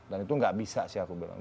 dan itu gak bisa sih aku bilang